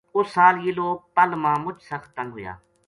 اُس سال یہ لوک پَل ما مچ سخت تنگ ہویا